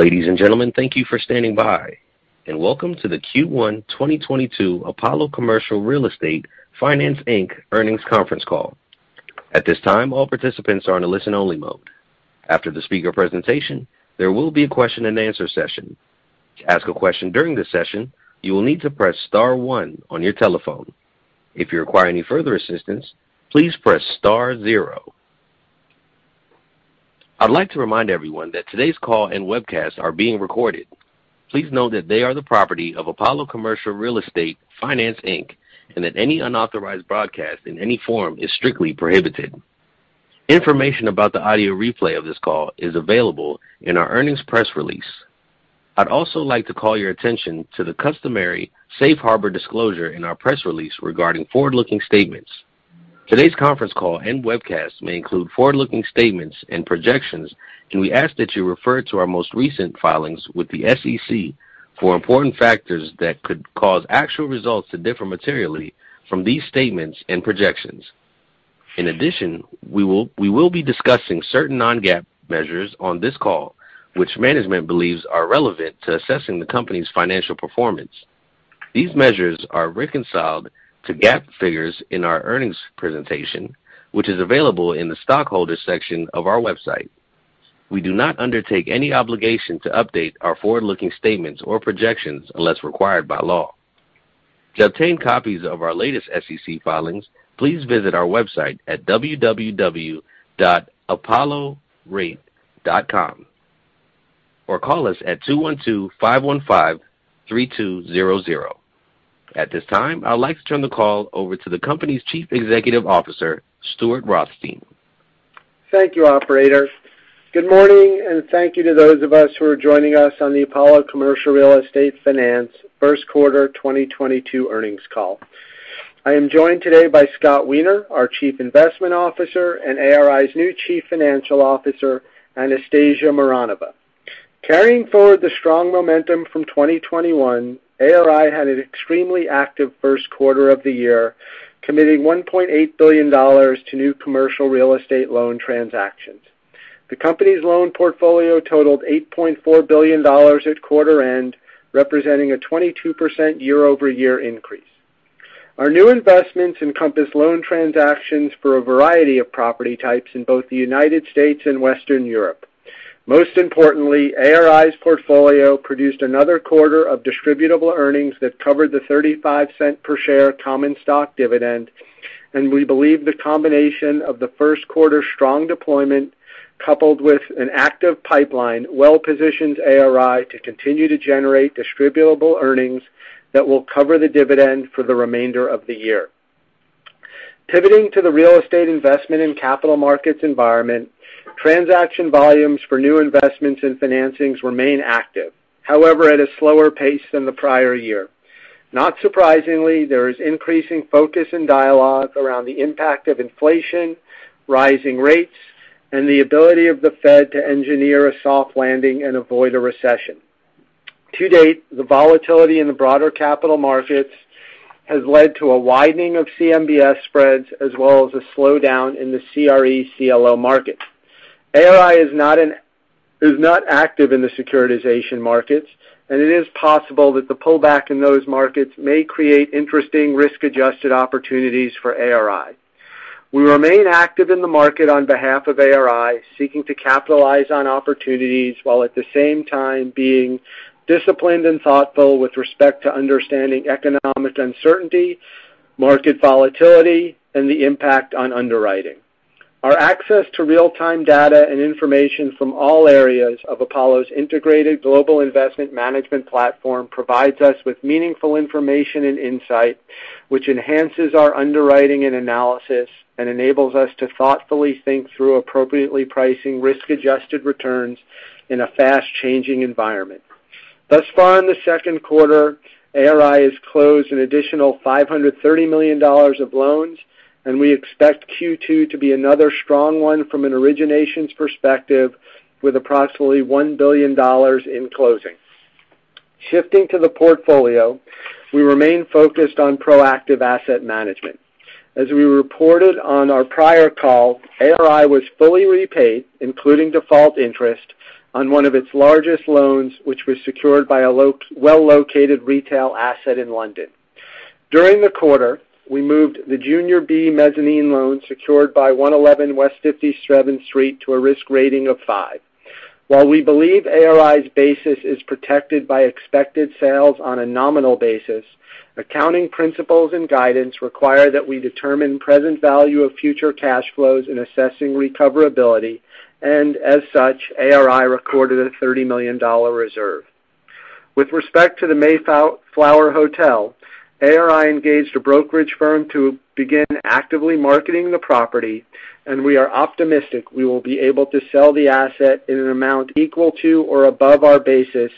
Ladies and gentlemen, thank you for standing by, and Welcome to the Q1 2022 Apollo Commercial Real Estate Finance, Inc. earnings conference call. At this time, all participants are in a listen-only mode. After the speaker presentation, there will be a question-and-answer session. To ask a question during this session, you will need to press star one on your telephone. If you require any further assistance, please press star zero. I'd like to remind everyone that today's call and webcast are being recorded. Please note that they are the property of Apollo Commercial Real Estate Finance, Inc., and that any unauthorized broadcast in any form is strictly prohibited. Information about the audio replay of this call is available in our earnings press release. I'd also like to call your attention to the customary safe harbor disclosure in our press release regarding forward-looking statements. Today's conference call and webcast may include forward-looking statements and projections, and we ask that you refer to our most recent filings with the SEC for important factors that could cause actual results to differ materially from these statements and projections. In addition, we will be discussing certain non-GAAP measures on this call, which management believes are relevant to assessing the company's financial performance. These measures are reconciled to GAAP figures in our earnings presentation, which is available in the Shareholders section of our website. We do not undertake any obligation to update our forward-looking statements or projections unless required by law. To obtain copies of our latest SEC filings, please visit our website at www.apolloreit.com or call us at 212-515-3200. At this time, I'd like to turn the call over to the company's Chief Executive Officer, Stuart Rothstein. Thank you, operator. Good morning, and thank you to those of us who are joining us on the Apollo Commercial Real Estate Finance first quarter 2022 earnings call. I am joined today by Scott Wiener, our Chief Investment Officer, and ARI's new Chief Financial Officer, Anastasia Mironova. Carrying forward the strong momentum from 2021, ARI had an extremely active first quarter of the year, committing $1.8 billion to new commercial real estate loan transactions. The company's loan portfolio totaled $8.4 billion at quarter-end, representing a 22% year-over-year increase. Our new investments encompass loan transactions for a variety of property types in both the United States and Western Europe. Most importantly, ARI's portfolio produced another quarter of distributable earnings that covered the $0.35 per share common stock dividend, and we believe the combination of the first quarter strong deployment, coupled with an active pipeline, well positions ARI to continue to generate distributable earnings that will cover the dividend for the remainder of the year. Pivoting to the real estate investment and capital markets environment, transaction volumes for new investments and financings remain active. However, at a slower pace than the prior year. Not surprisingly, there is increasing focus and dialogue around the impact of inflation, rising rates, and the ability of the Fed to engineer a soft landing and avoid a recession. To date, the volatility in the broader capital markets has led to a widening of CMBS spreads, as well as a slowdown in the CRE CLO market. ARI is not active in the securitization markets, and it is possible that the pullback in those markets may create interesting risk-adjusted opportunities for ARI. We remain active in the market on behalf of ARI, seeking to capitalize on opportunities while at the same time being disciplined and thoughtful with respect to understanding economic uncertainty, market volatility, and the impact on underwriting. Our access to real-time data and information from all areas of Apollo's integrated global investment management platform provides us with meaningful information and insight, which enhances our underwriting and analysis and enables us to thoughtfully think through appropriately pricing risk-adjusted returns in a fast-changing environment. Thus far in the second quarter, ARI has closed an additional $530 million of loans, and we expect Q2 to be another strong one from an originations perspective with approximately $1 billion in closing. Shifting to the portfolio, we remain focused on proactive asset management. As we reported on our prior call, ARI was fully repaid, including default interest, on one of its largest loans, which was secured by a well-located retail asset in London. During the quarter, we moved the junior B mezzanine loan secured by 111 West 57th Street to a risk rating of five. While we believe ARI's basis is protected by expected sales on a nominal basis, accounting principles and guidance require that we determine present value of future cash flows in assessing recoverability, and as such, ARI recorded a $30 million reserve. With respect to the Mayflower Hotel, ARI engaged a brokerage firm to begin actively marketing the property, and we are optimistic we will be able to sell the asset in an amount equal to or above our basis,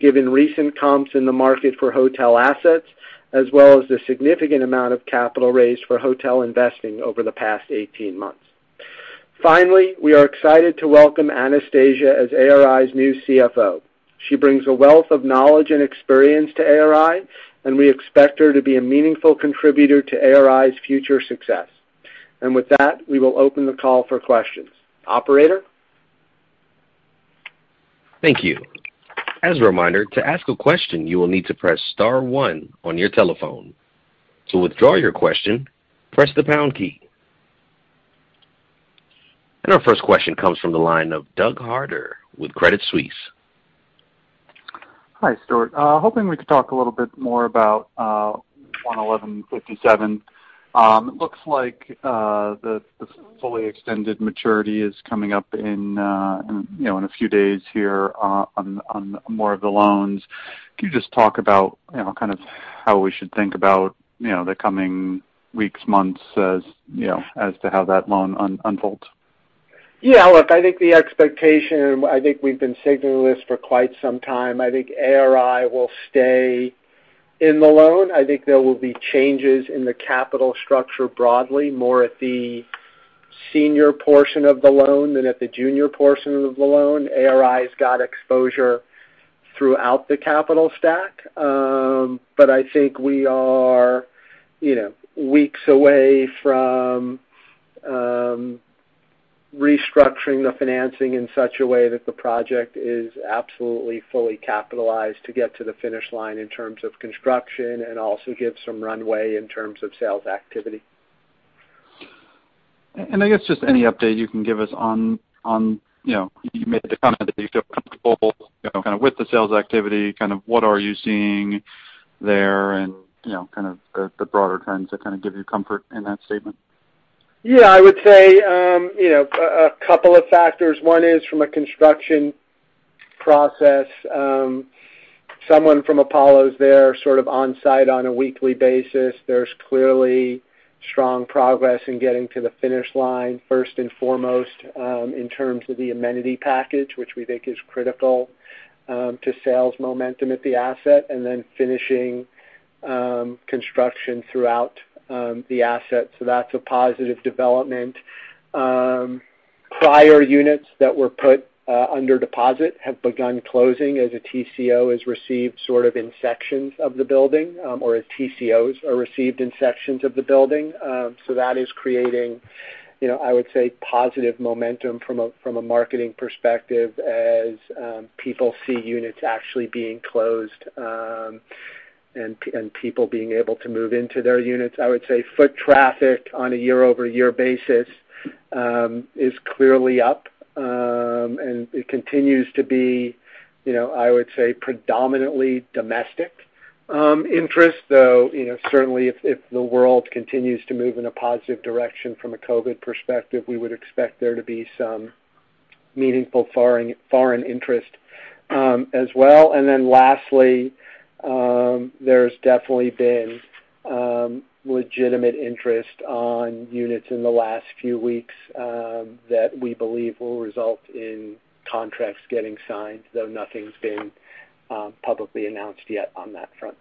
given recent comps in the market for hotel assets as well as the significant amount of capital raised for hotel investing over the past eighteen months. Finally, we are excited to welcome Anastasia as ARI's new CFO. She brings a wealth of knowledge and experience to ARI, and we expect her to be a meaningful contributor to ARI's future success. With that, we will open the call for questions. Operator? Thank you. As a reminder, to ask a question, you will need to press star one on your telephone. To withdraw your question, press the pound key. Our first question comes from the line of Doug Harter with Credit Suisse. Hi, Stuart. Hoping we could talk a little bit more about one eleven fifty-seven. It looks like the fully extended maturity is coming up in a few days here on more of the loans. Can you just talk about how we should think about the coming weeks, months as to how that loan unfolds? Yeah, look, I think the expectation, I think we've been signaling this for quite some time. I think ARI will stay in the loan. I think there will be changes in the capital structure broadly, more at the senior portion of the loan than at the junior portion of the loan. ARI's got exposure throughout the capital stack. I think we are, you know, weeks away from restructuring the financing in such a way that the project is absolutely fully capitalized to get to the finish line in terms of construction and also give some runway in terms of sales activity. I guess just any update you can give us on, you know, you made the comment that you feel comfortable, you know, kind of with the sales activity, kind of what are you seeing there and, you know, kind of the broader trends that kind of give you comfort in that statement. Yeah, I would say, you know, a couple of factors. One is from a construction process. Someone from Apollo's there sort of on site on a weekly basis. There's clearly strong progress in getting to the finish line first and foremost in terms of the amenity package, which we think is critical to sales momentum at the asset, and then finishing construction throughout the asset. That's a positive development. Prior units that were put under deposit have begun closing as a TCO is received sort of in sections of the building or as TCOs are received in sections of the building. That is creating, you know, I would say, positive momentum from a marketing perspective as people see units actually being closed and people being able to move into their units. I would say foot traffic on a year-over-year basis is clearly up. It continues to be, you know, I would say predominantly domestic interest, though, you know, certainly if the world continues to move in a positive direction from a COVID perspective, we would expect there to be some meaningful foreign interest as well. Lastly, there's definitely been legitimate interest on units in the last few weeks that we believe will result in contracts getting signed, though nothing's been publicly announced yet on that front.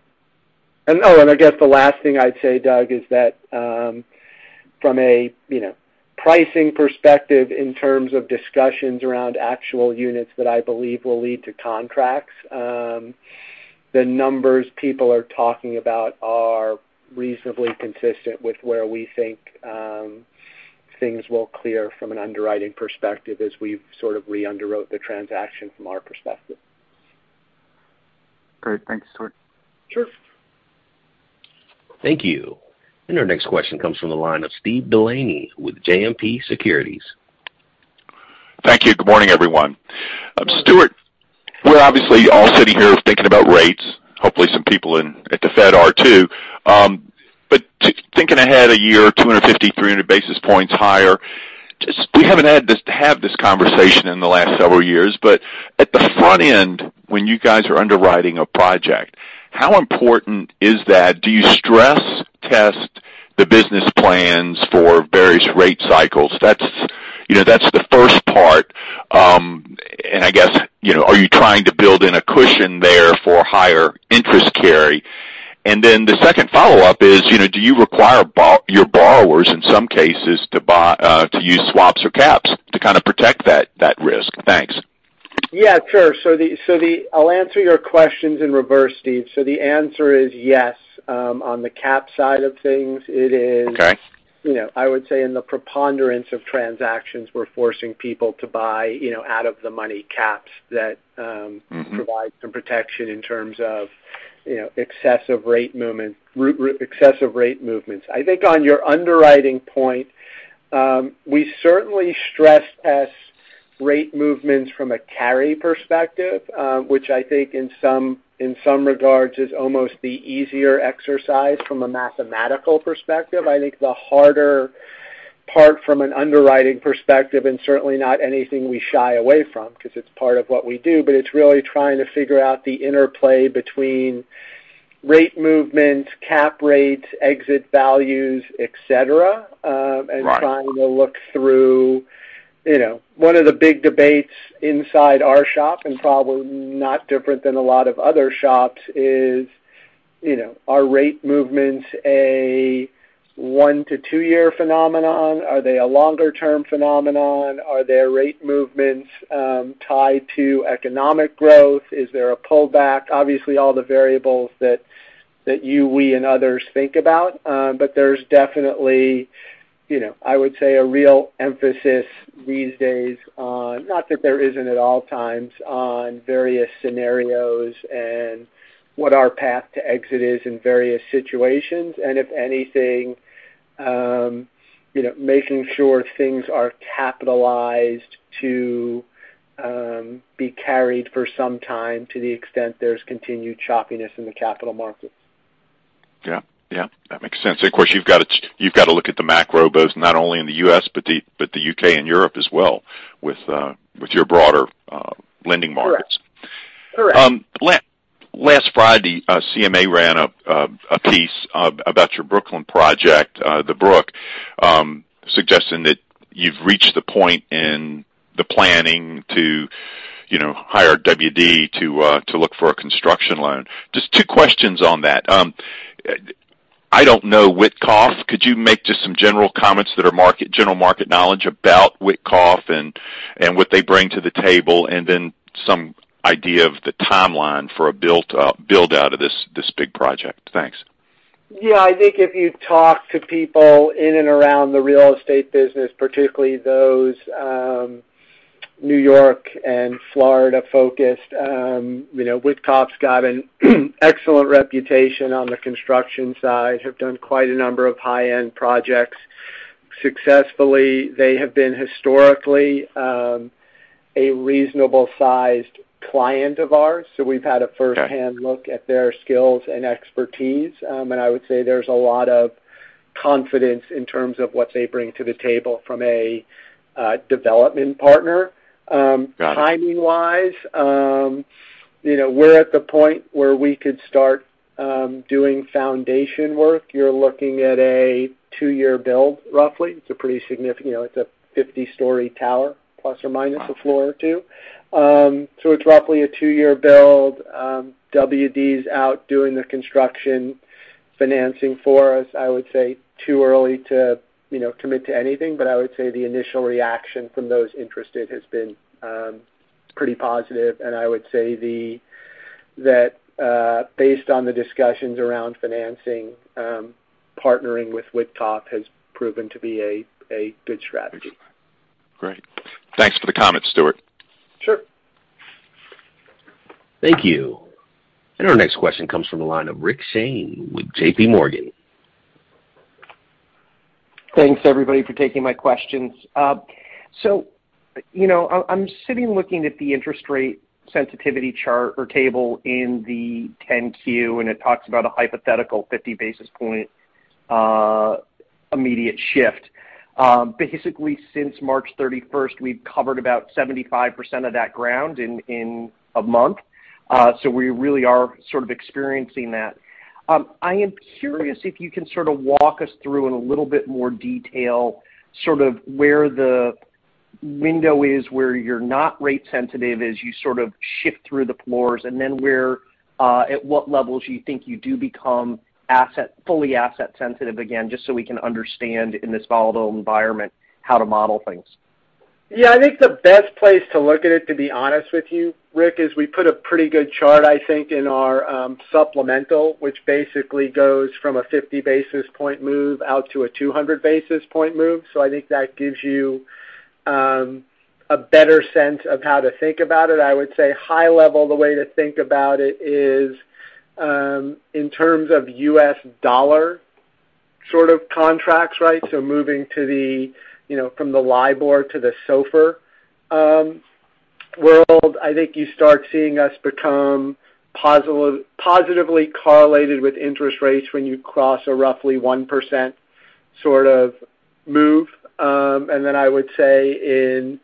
Oh, and I guess the last thing I'd say, Doug, is that from a, you know, pricing perspective in terms of discussions around actual units that I believe will lead to contracts, the numbers people are talking about are reasonably consistent with where we think things will clear from an underwriting perspective as we've sort of re-underwrote the transaction from our perspective. Great. Thanks, Stuart. Sure. Thank you. Our next question comes from the line of Steve DeLaney with JMP Securities. Thank you. Good morning, everyone. Stuart, we're obviously all sitting here thinking about rates. Hopefully, some people at the Fed are too. Thinking ahead a year, 250-300 basis points higher, just we haven't had to have this conversation in the last several years. At the front end, when you guys are underwriting a project, how important is that? Do you stress test the business plans for various rate cycles? That's, you know, that's the first part. I guess, you know, are you trying to build in a cushion there for higher interest carry? Then the second follow-up is, you know, do you require your borrowers in some cases to use swaps or caps to kind of protect that risk? Thanks. Yeah, sure. I'll answer your questions in reverse, Steve. The answer is yes. On the cap side of things, it is- Okay. You know, I would say in the preponderance of transactions, we're forcing people to buy, you know, out of the money caps that. Mm-hmm. Provide some protection in terms of, you know, excessive rate movements. I think on your underwriting point, we certainly stress test rate movements from a carry perspective, which I think in some regards is almost the easier exercise from a mathematical perspective. I think the harder part from an underwriting perspective, and certainly not anything we shy away from because it's part of what we do, but it's really trying to figure out the interplay between rate movement, cap rates, exit values, et cetera. Right. Trying to look through, you know. One of the big debates inside our shop, and probably not different than a lot of other shops, is, you know, are rate movements a one-two year phenomenon? Are they a longer term phenomenon? Are there rate movements tied to economic growth? Is there a pullback? Obviously, all the variables that you, we, and others think about. But there's definitely, you know, I would say a real emphasis these days on, not that there isn't at all times, on various scenarios and what our path to exit is in various situations. If anything, you know, making sure things are capitalized to be carried for some time to the extent there's continued choppiness in the capital markets. Yeah. That makes sense. Of course, you've gotta look at the macro both not only in the U.S., but the U.K. and Europe as well with your broader lending markets. Correct. Correct. Last Friday, CMA ran a piece about your Brooklyn project, The Brook, suggesting that you've reached the point in the planning to, you know, hire WD to look for a construction loan. Just two questions on that. I don't know Witkoff. Could you make just some general comments that are general market knowledge about Witkoff and what they bring to the table, and then some idea of the timeline for a build out of this big project? Thanks. Yeah. I think if you talk to people in and around the real estate business, particularly those New York and Florida-focused, you know, Witkoff's got an excellent reputation on the construction side, have done quite a number of high-end projects successfully. They have been historically a reasonable-sized client of ours, so we've had a firsthand- Okay. Look at their skills and expertise. I would say there's a lot of confidence in terms of what they bring to the table from a development partner. Got it. Timing-wise, you know, we're at the point where we could start doing foundation work. You're looking at a two-year build, roughly. It's a pretty significant. You know, it's a 50-story tower, plus or minus a floor or two. It's roughly a two-year build. WD's out doing the construction financing for us. I would say it's too early to, you know, commit to anything, but I would say the initial reaction from those interested has been pretty positive. I would say that based on the discussions around financing, partnering with Witkoff has proven to be a good strategy. Great. Thanks for the comment, Stuart. Sure. Thank you. Our next question comes from the line of Rick Shane with JPMorgan. Thanks everybody for taking my questions. You know, I'm sitting looking at the interest rate sensitivity chart or table in the 10-Q, and it talks about a hypothetical 50 basis point immediate shift. Basically, since March 31st, we've covered about 75% of that ground in a month. We really are sort of experiencing that. I am curious if you can sort of walk us through in a little bit more detail sort of where the window is, where you're not rate sensitive as you sort of shift through the floors, and then where at what levels you think you do become asset, fully asset sensitive again, just so we can understand in this volatile environment how to model things. Yeah. I think the best place to look at it, to be honest with you, Rick, is we put a pretty good chart, I think, in our supplemental, which basically goes from a 50 basis point move to a 200 basis point move. I think that gives you a better sense of how to think about it. I would say high level, the way to think about it is in terms of U.S. dollar sort of contracts, right? Moving to the, you know, from the LIBOR to the SOFR world, I think you start seeing us become positively correlated with interest rates when you cross a roughly 1% sort of move. I would say in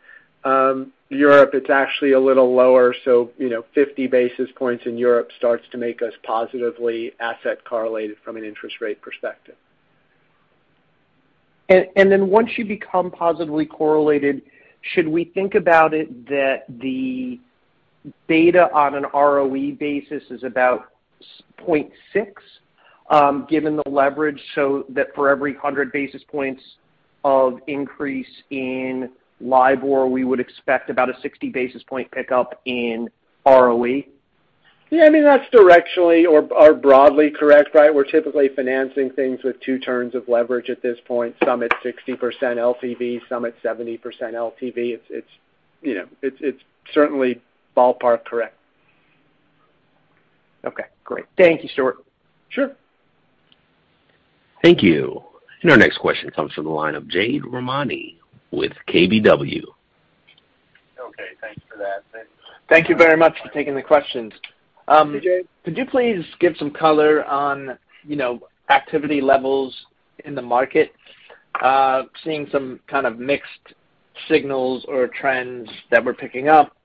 Europe, it's actually a little lower, so you know, 50 basis points in Europe starts to make us positively asset correlated from an interest rate perspective. Once you become positively correlated, should we think about it that the data on an ROE basis is about 0.6, given the leverage, so that for every 100 basis points of increase in LIBOR, we would expect about a 60 basis point pickup in ROE? Yeah. I mean, that's directionally or broadly correct, right? We're typically financing things with two turns of leverage at this point. Some at 60% LTV, some at 70% LTV. It's, you know, certainly ballpark correct. Okay, great. Thank you, Stuart. Sure. Thank you. Our next question comes from the line of Jade Rahmani with KBW. Okay, thanks for that. Thank you very much for taking the questions. Hey, Jade. Could you please give some color on, you know, activity levels in the market? Seeing some kind of mixed signals or trends that we're picking up.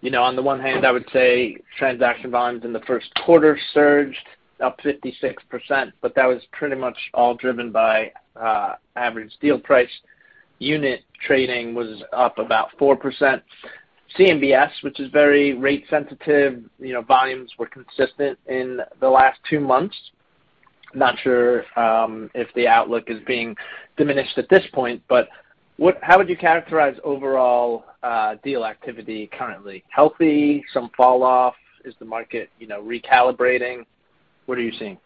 You know, on the one hand, I would say transaction volumes in the first quarter surged up 56%, but that was pretty much all driven by average deal price. Unit trading was up about 4%. CMBS, which is very rate sensitive, volumes were consistent in the last two months. Not sure if the outlook is being diminished at this point, but how would you characterize overall deal activity currently? Healthy, some fall off, is the market recalibrating? What are you seeing?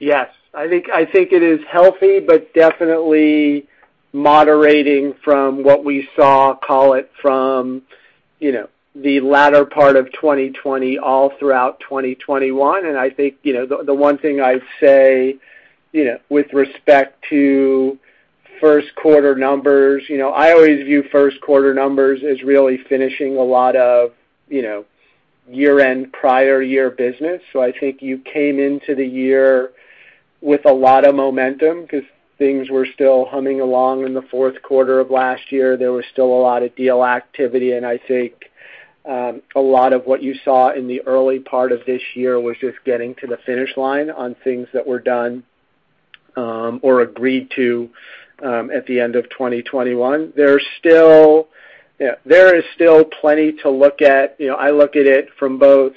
Yes. I think it is healthy, but definitely moderating from what we saw, call it from, you know, the latter part of 2020 all throughout 2021. I think, you know, the one thing I'd say, you know, with respect to first quarter numbers, you know, I always view first quarter numbers as really finishing a lot of, you know, year-end prior year business. I think you came into the year with a lot of momentum because things were still humming along in the fourth quarter of last year. There was still a lot of deal activity, and I think a lot of what you saw in the early part of this year was just getting to the finish line on things that were done or agreed to at the end of 2021. There's still. There is still plenty to look at. You know, I look at it from both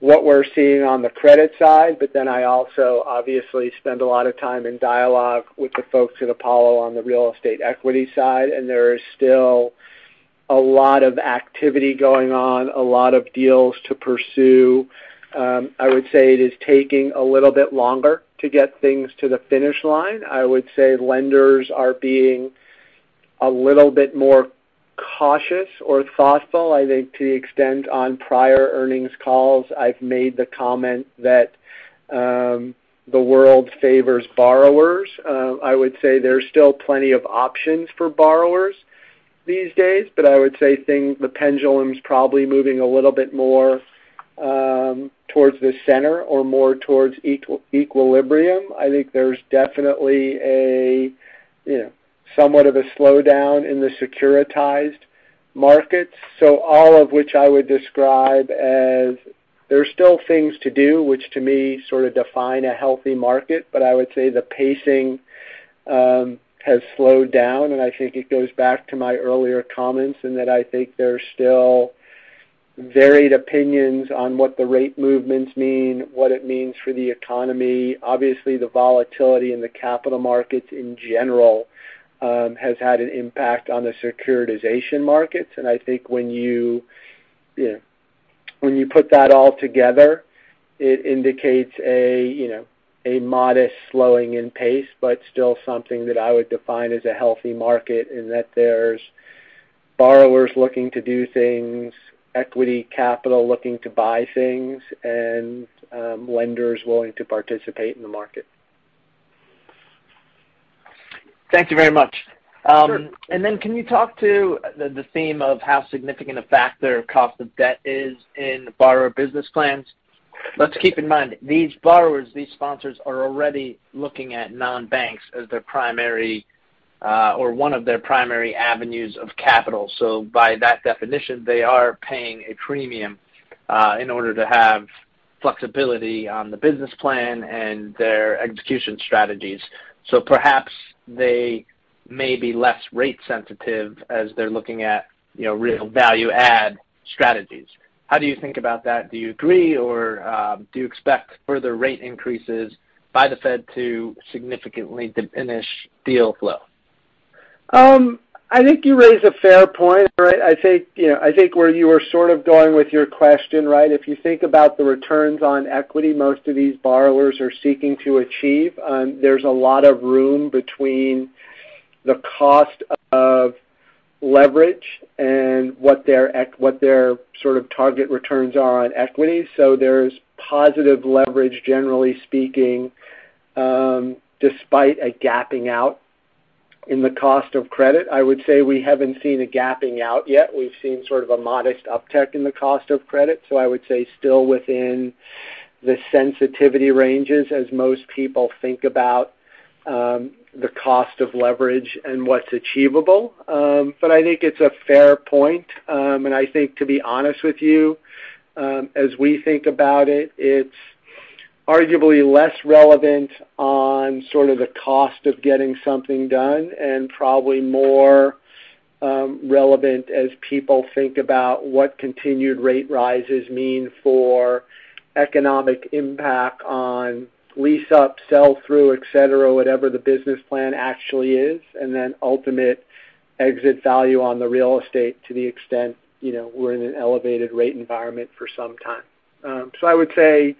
what we're seeing on the credit side, but then I also obviously spend a lot of time in dialogue with the folks at Apollo on the real estate equity side, and there is still a lot of activity going on, a lot of deals to pursue. I would say it is taking a little bit longer to get things to the finish line. I would say lenders are being a little bit more cautious or thoughtful. I think to the extent on prior earnings calls, I've made the comment that the world favors borrowers. I would say there's still plenty of options for borrowers these days, but I would say things, the pendulum's probably moving a little bit more towards the center or more towards equilibrium. I think there's definitely a, you know, somewhat of a slowdown in the securitized markets. All of which I would describe as there are still things to do, which to me sort of define a healthy market. I would say the pacing has slowed down, and I think it goes back to my earlier comments and that I think there's still varied opinions on what the rate movements mean, what it means for the economy. Obviously, the volatility in the capital markets in general has had an impact on the securitization markets. I think when you put that all together, it indicates a modest slowing in pace, but still something that I would define as a healthy market in that there's borrowers looking to do things, equity capital looking to buy things, and lenders willing to participate in the market. Thank you very much. Sure. Can you talk to the theme of how significant a factor cost of debt is in borrower business plans? Let's keep in mind, these borrowers, these sponsors are already looking at non-banks as their primary, or one of their primary avenues of capital. By that definition, they are paying a premium in order to have flexibility on the business plan and their execution strategies. Perhaps they may be less rate sensitive as they're looking at, you know, real value add strategies. How do you think about that? Do you agree or do you expect further rate increases by the Fed to significantly diminish deal flow? I think you raise a fair point. I think, you know, I think where you are sort of going with your question, right, if you think about the returns on equity most of these borrowers are seeking to achieve, there's a lot of room between the cost of leverage and what their sort of target returns are on equity. There's positive leverage, generally speaking, despite a gapping out in the cost of credit. I would say we haven't seen a gapping out yet. We've seen sort of a modest uptick in the cost of credit. I would say still within the sensitivity ranges as most people think about, the cost of leverage and what's achievable. I think it's a fair point. I think to be honest with you, as we think about it's arguably less relevant on sort of the cost of getting something done and probably more relevant as people think about what continued rate rises mean for economic impact on lease-up, sell-through, et cetera, whatever the business plan actually is, and then ultimate exit value on the real estate to the extent, you know, we're in an elevated rate environment for some time. I would say, you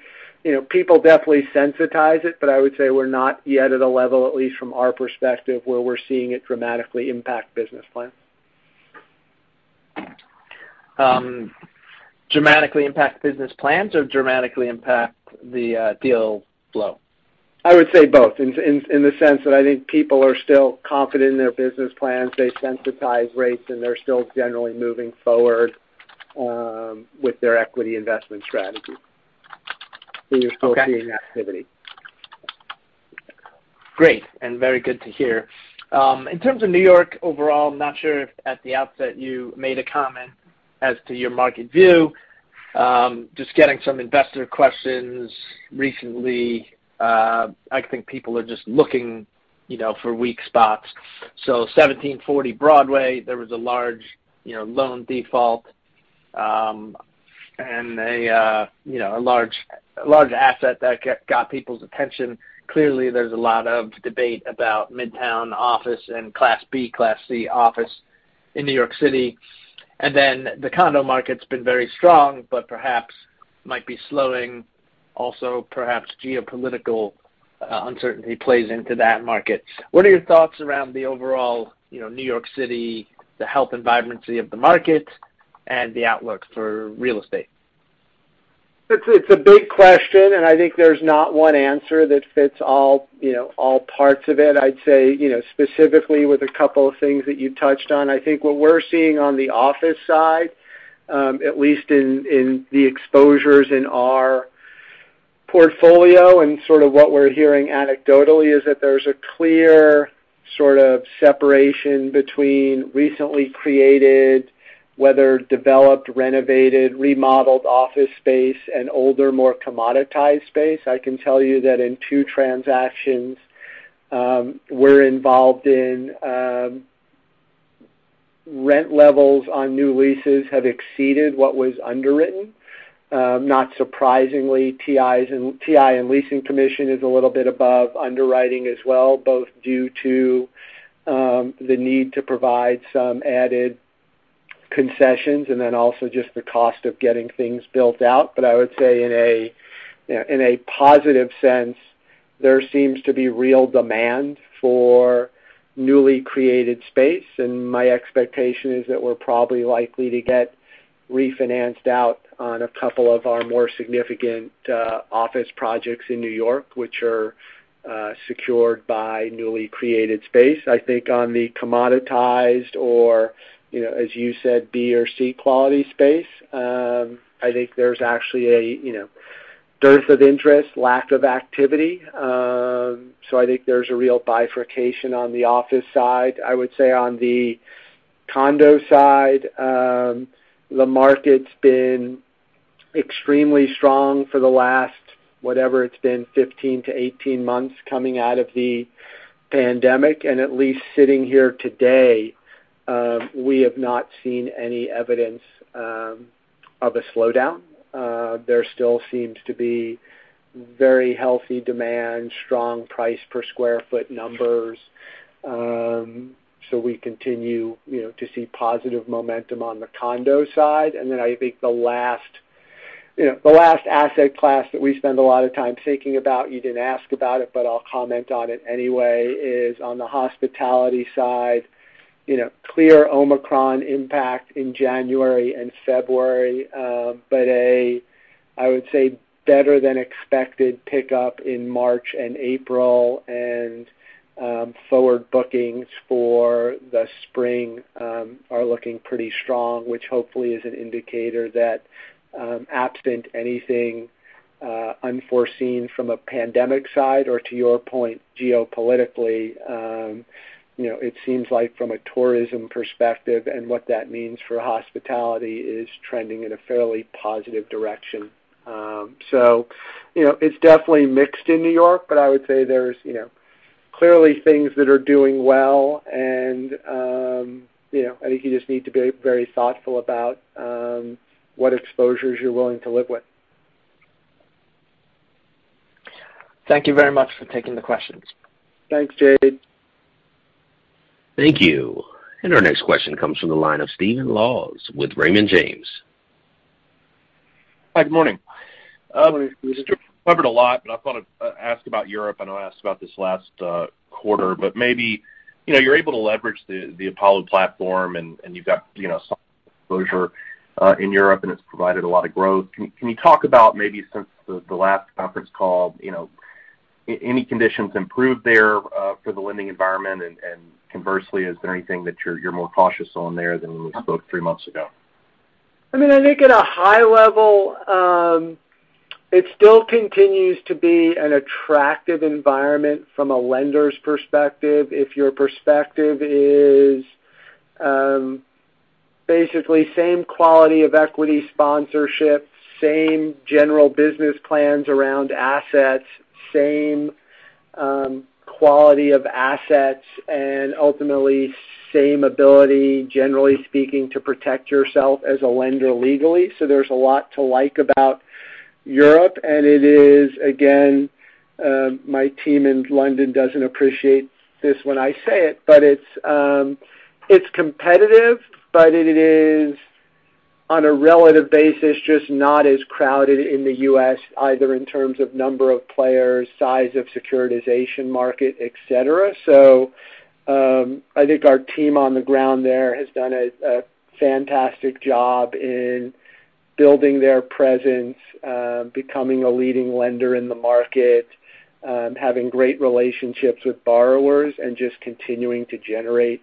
know, people definitely sensitize it, but I would say we're not yet at a level, at least from our perspective, where we're seeing it dramatically impact business plans. Dramatically impact business plans or dramatically impact the deal flow? I would say both in the sense that I think people are still confident in their business plans. They sensitize rates, and they're still generally moving forward with their equity investment strategy. Okay. You're still seeing activity. Great, very good to hear. In terms of New York overall, I'm not sure if at the outset you made a comment as to your market view. Just getting some investor questions recently. I think people are just looking, you know, for weak spots. 1740 Broadway, there was a large, you know, loan default, and a, uh, you know, a large asset that got people's attention. Clearly, there's a lot of debate about Midtown office and Class B, Class C office in New York City. Then the condo market's been very strong, but perhaps might be slowing. Also, perhaps geopolitical, uh, uncertainty plays into that market. What are your thoughts around the overall, you know, New York City, the health and vibrancy of the market and the outlook for real estate? It's a big question, and I think there's not one answer that fits all, you know, all parts of it. I'd say, you know, specifically with a couple of things that you touched on. I think what we're seeing on the office side, at least in the exposures in our portfolio and sort of what we're hearing anecdotally, is that there's a clear sort of separation between recently created, whether developed, renovated, remodeled office space and older, more commoditized space. I can tell you that in two transactions, we're involved in, rent levels on new leases have exceeded what was underwritten. Not surprisingly, TIs and leasing commission is a little bit above underwriting as well, both due to the need to provide some added concessions and then also just the cost of getting things built out. I would say in a, you know, in a positive sense, there seems to be real demand for newly created space. My expectation is that we're probably likely to get refinanced out on a couple of our more significant office projects in New York, which are secured by newly created space. I think on the commoditized or, you know, as you said, B or C quality space, I think there's actually a, you know, dearth of interest, lack of activity. I think there's a real bifurcation on the office side. I would say on the condo side, the market's been extremely strong for the last, whatever it's been, 15-18 months coming out of the pandemic. At least sitting here today, we have not seen any evidence of a slowdown. There still seems to be very healthy demand, strong price per square foot numbers. We continue, you know, to see positive momentum on the condo side. I think the last asset class that we spend a lot of time thinking about, you didn't ask about it, but I'll comment on it anyway, is on the hospitality side. You know, clear Omicron impact in January and February. I would say better than expected pickup in March and April. Forward bookings for the spring are looking pretty strong, which hopefully is an indicator that, absent anything unforeseen from a pandemic side, or to your point, geopolitically, you know, it seems like from a tourism perspective and what that means for hospitality is trending in a fairly positive direction. You know, it's definitely mixed in New York, but I would say there's, you know, clearly things that are doing well. You know, I think you just need to be very thoughtful about what exposures you're willing to live with. Thank you very much for taking the questions. Thanks, Jade. Thank you. Our next question comes from the line of Stephen Laws with Raymond James. Hi, good morning. You covered a lot, but I thought I'd ask about Europe. I know I asked about this last quarter. Maybe you're able to leverage the Apollo platform and you've got some exposure in Europe, and it's provided a lot of growth. Can you talk about maybe since the last conference call, any conditions improved there for the lending environment? Conversely, is there anything that you're more cautious on there than when we spoke three months ago? I mean, I think at a high level, it still continues to be an attractive environment from a lender's perspective. If your perspective is basically same quality of equity sponsorship, same general business plans around assets, same quality of assets, and ultimately same ability, generally speaking, to protect yourself as a lender legally. There's a lot to like about Europe. It is, again, my team in London doesn't appreciate this when I say it, but it's competitive, but it is on a relative basis, just not as crowded in the U.S. either in terms of number of players, size of securitization market, et cetera. I think our team on the ground there has done a fantastic job in building their presence, becoming a leading lender in the market, having great relationships with borrowers and just continuing to generate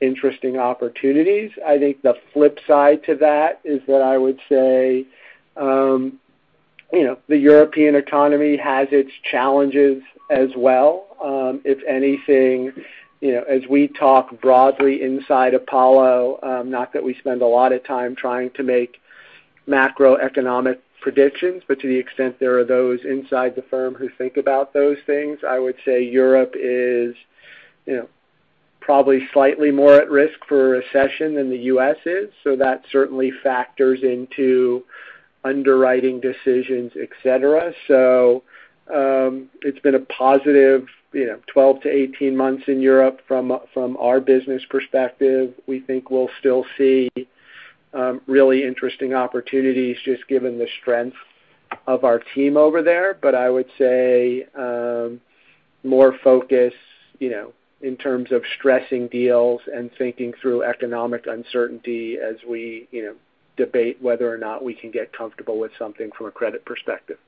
interesting opportunities. I think the flip side to that is that I would say, you know, the European economy has its challenges as well. If anything, you know, as we talk broadly inside Apollo, not that we spend a lot of time trying to make macroeconomic predictions, but to the extent there are those inside the firm who think about those things, I would say Europe is, you know, probably slightly more at risk for a recession than the U.S. is. That certainly factors into underwriting decisions, et cetera. It’s been a positive, you know, 12-18 months in Europe from our business perspective. We think we'll still see really interesting opportunities just given the strength of our team over there. I would say more focus, you know, in terms of stressing deals and thinking through economic uncertainty as we, you know, debate whether or not we can get comfortable with something from a credit perspective.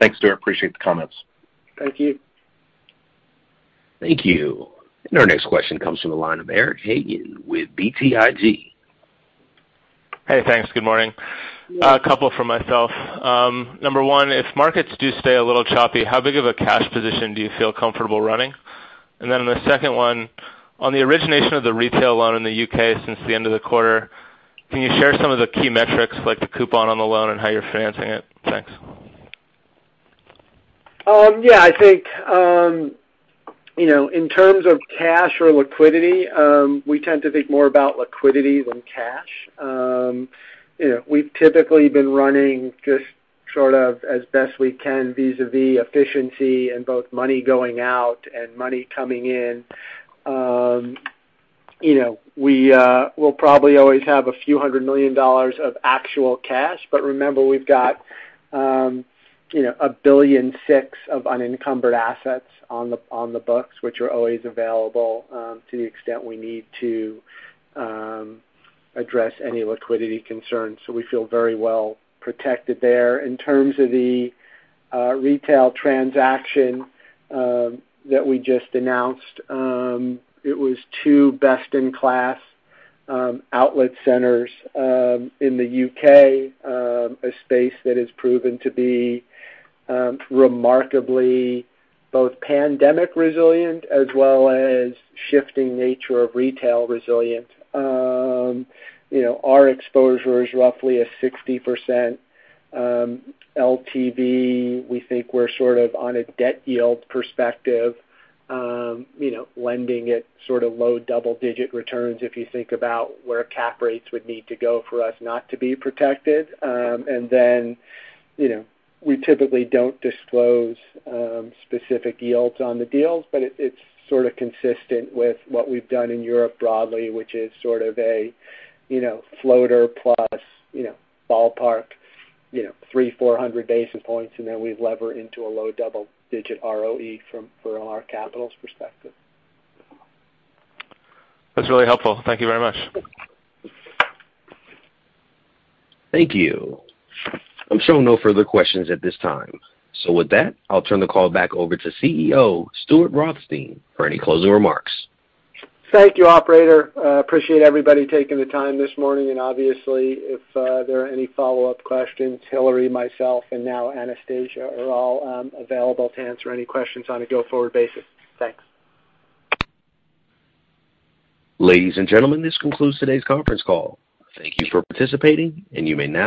Thanks, Stuart. I appreciate the comments. Thank you. Thank you. Our next question comes from the line of Eric Hagen with BTIG. Hey, thanks. Good morning. A couple from myself. Number one, if markets do stay a little choppy, how big of a cash position do you feel comfortable running? The second one, on the origination of the retail loan in the U.K. since the end of the quarter, can you share some of the key metrics, like the coupon on the loan and how you're financing it? Thanks. Yeah, I think, you know, in terms of cash or liquidity, we tend to think more about liquidity than cash. You know, we've typically been running just short of cash as best we can vis-a-vis efficiency and both money going out and money coming in. You know, we will probably always have a few $100 million of actual cash. But remember, we've got, you know, $1.6 billion of unencumbered assets on the books, which are always available to the extent we need to address any liquidity concerns. We feel very well protected there. In terms of the retail transaction that we just announced, it was two best-in-class outlet centers in the U.K., a space that has proven to be remarkably both pandemic resilient as well as shifting nature of retail resilient. You know, our exposure is roughly a 60% LTV. We think we're sort of on a debt yield perspective, you know, lending at sort of low double-digit returns if you think about where cap rates would need to go for us not to be protected. You know, we typically don't disclose specific yields on the deals, but it's sort of consistent with what we've done in Europe broadly, which is sort of a you know, floater plus you know, ballpark 300-400 basis points, and then we lever into a low double-digit ROE from our capital's perspective. That's really helpful. Thank you very much. Thank you. I'm showing no further questions at this time. With that, I'll turn the call back over to CEO Stuart Rothstein for any closing remarks. Thank you, operator. I appreciate everybody taking the time this morning. Obviously, if there are any follow-up questions, Hillary, myself, and now Anastasia are all available to answer any questions on a go-forward basis. Thanks. Ladies and gentlemen, this concludes today's conference call. Thank you for participating, and you may now disconnect.